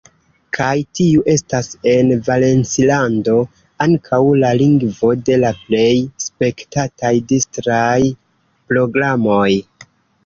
Kaj tiu estas en Valencilando ankaŭ la lingvo de la plej spektataj distraj programoj.